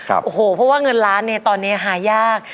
โอ้โหเพราะว่าเงินล้านเนี่ยตอนนี้หายาก